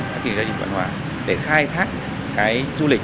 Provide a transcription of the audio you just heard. các cái kinh doanh văn hóa để khai thác cái du lịch